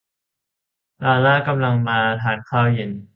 ลาร่ากำลังจะมาทานข้าวเย็น